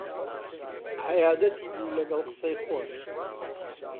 عەیادەتی بوو لەگەڵ قسەی خۆش